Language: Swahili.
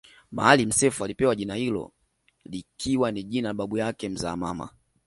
Maalim Self alipewa jina hilo likiwa ni jina la babu yake mzaa mama